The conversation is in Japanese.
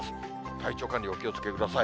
体調管理、お気をつけください。